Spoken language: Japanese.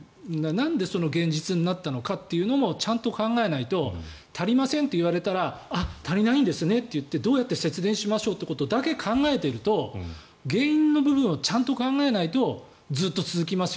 なんでその現実になったのかというのもちゃんと考えないと足りませんって言われたらあ、足りないんですねって言ってどうやって節電しましょうということだけ考えていると原因の部分をちゃんと考えないとずっと続きます